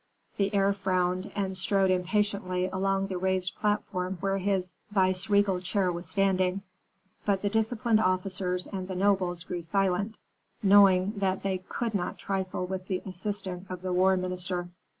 The heir frowned, and strode impatiently along the raised platform where his viceregal chair was standing. But the disciplined officers and the nobles grew silent, knowing that they could not trifle with the assistant of the war minister.